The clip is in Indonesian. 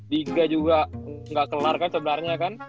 diga juga ga kelar kan sebenarnya kan